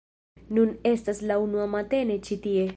Nun estas la unua matene ĉi tie